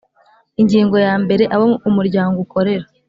Ingingo ya mbere Abo umuryango ukorera